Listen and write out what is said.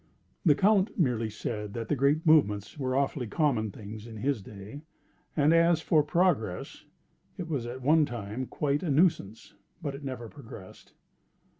The Count merely said that Great Movements were awfully common things in his day, and as for Progress, it was at one time quite a nuisance, but it never progressed.